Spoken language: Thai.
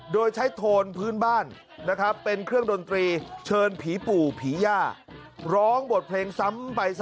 โดยใช้โทนพื้นบ้านเป็นเครื่องดนตรีเชิญผีปู่ผีย่า